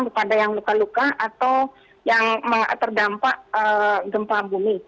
kepada yang luka luka atau yang terdampak gempa bumi